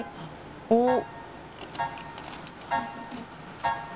おっ！